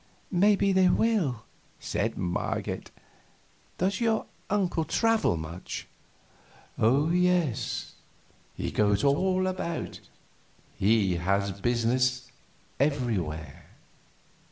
"Maybe they will," said Marget. "Does your uncle travel much?" "Oh yes, he goes all about; he has business everywhere."